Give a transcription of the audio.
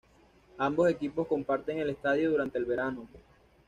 Ambos equipos comparten el estadio durante el verano.